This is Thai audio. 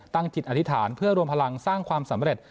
จิตอธิษฐานเพื่อรวมพลังสร้างความสำเร็จ